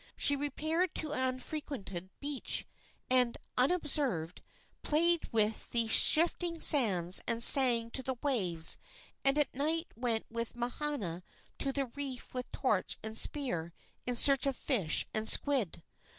She repaired to an unfrequented beach, and, unobserved, played with the shifting sands and sang to the waves, and at night went with Mahana to the reef with torch and spear in search of fish and squid.